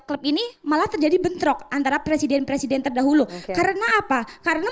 klub ini malah terjadi bentrok antara presiden presiden terdahulu karena apa karena